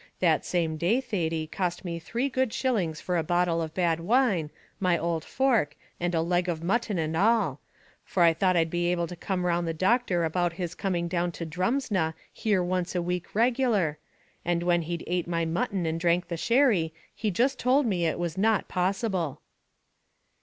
That same day, Thady, cost me three good shillings for a bottle of bad wine, my old fork, and a leg of mutton and all; for I thought I'd be able to come round the doctor about his coming down to Drumsna here once a week regular; and when he'd ate my mutton and drank the sherry, he just told me it was not possible."